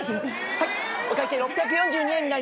はい。